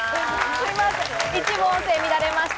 一部音声乱れました。